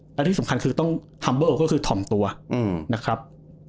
และที่สำคัญคือต้องฮัมเบอร์โอก็คือถ่อมตัวนะครับ